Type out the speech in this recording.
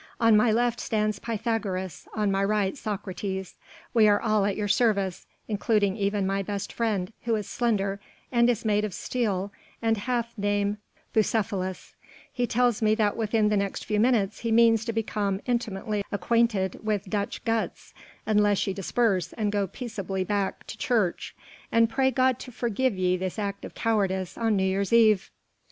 On my left stands Pythagoras, on my right Socrates. We are all at your service, including even my best friend who is slender and is made of steel and hath name Bucephalus he tells me that within the next few minutes he means to become intimately acquainted with Dutch guts, unless ye disperse and go peaceably back to church and pray God to forgive ye this act of cowardice on New Year's Eve!"